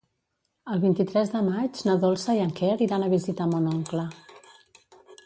El vint-i-tres de maig na Dolça i en Quer iran a visitar mon oncle.